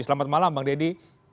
selamat malam bang deddy